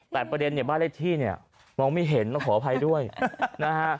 แต่ประเด็นเนี่ยบ้านเลขที่เนี่ยมองไม่เห็นต้องขออภัยด้วยนะฮะ